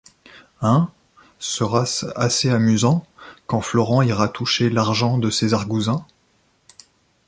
Hein ! sera-ce assez amusant, quand Florent ira toucher l’argent de ces argousins !